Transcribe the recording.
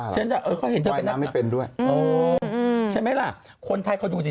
เธอจะไปกล้าหรออืมอืมใช่ไหมล่ะคนไทยเขาดูสิ